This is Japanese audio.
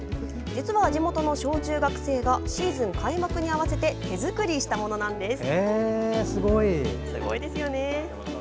実は、地元の小中学生がシーズン開幕に合わせて手作りしたものなんです。